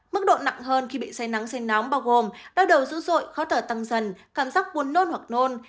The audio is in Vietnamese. mức độ nặng hơn khi bị say nắng say nóng bao gồm đau đầu dữ dội khó thở tăng dần cảm giác buồn nôn hoặc nôn